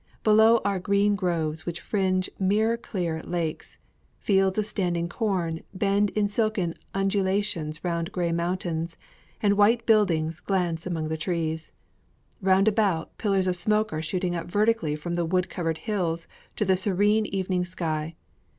Below are green groves which fringe mirror clear lakes, fields of standing corn bend in silken undulations round gray mountains, and white buildings glance amid the trees. Round about, pillars of smoke are shooting up vertically from the wood covered hills to the serene evening sky.